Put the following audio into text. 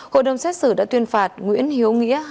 hội đồng xét xử đã tuyên phạt nguyễn hiếu nghĩa